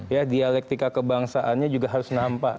ya dialektika kebangsaannya juga harus nampak